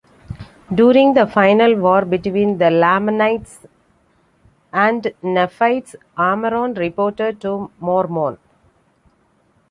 During the final war between the Lamanites and Nephites, Amoron reported to Mormon.